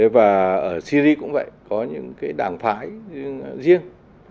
và ở syri cũng vậy có những cái đảng phái riêng